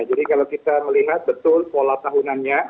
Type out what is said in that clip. kalau kita melihat betul pola tahunannya